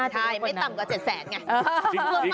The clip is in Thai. ใช่ไม่ต่ำกว่า๗แสนไง